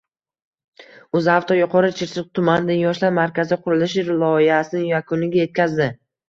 UzAuto Yuqori Chirchiq tumanida yoshlar markazi qurilishi loyihasini yakuniga yetkazdi